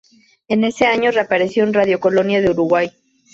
En ese año reapareció en Radio Colonia de Uruguay.